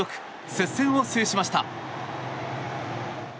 接戦を制しました。